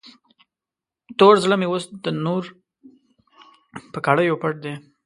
تور زړه مې اوس د نور په کړیو پټ دی.